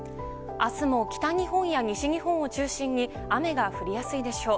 明日も北日本や西日本を中心に雨が降りやすいでしょう。